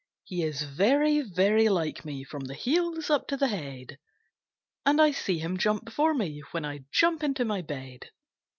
He is very, very like me from the heels up to the head; And I see him jump before me, when I jump into my bed.